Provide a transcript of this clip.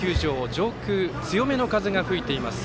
上空、強めの風が吹いています。